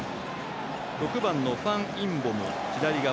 ６番のファン・インボム、左側。